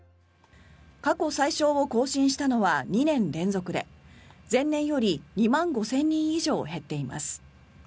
過去最少を更新したのは２年連続で前年より２万５０００人以上減っています。